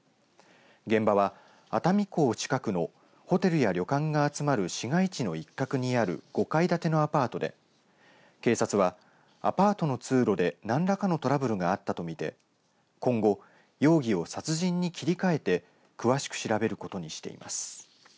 現場は、熱海港近くのホテルや旅館が集まる市街地の一角にある５階建てのアパートで警察は、アパートの通路で何らかのトラブルがあったと見て今後、容疑を殺人に切り替えて詳しく調べることにしています。